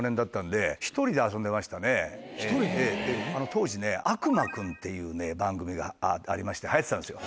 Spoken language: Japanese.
当時ね『悪魔くん』っていうね番組がありまして流行ってたんですよ。